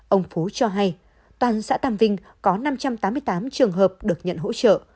ông phú cho hay toàn xã tam vinh có năm trăm tám mươi tám trường hợp được nhận hỗ trợ